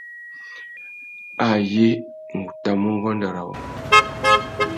Ayé, ngu tà mu nguêndê râ wô.